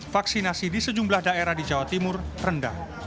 vaksinasi di sejumlah daerah di jawa timur rendah